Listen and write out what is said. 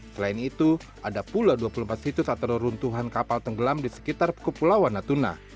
selain itu ada pula dua puluh empat situs atau runtuhan kapal tenggelam di sekitar kepulauan natuna